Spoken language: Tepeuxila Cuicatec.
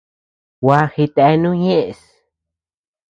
Gua jitenu ñeʼes.